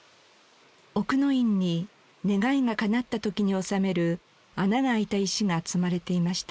奥の院に願いが叶った時に納める穴が開いた石が積まれていました。